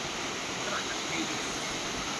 一架